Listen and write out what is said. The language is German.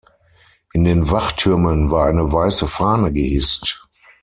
In den Wachtürmen war eine weiße Fahne gehisst.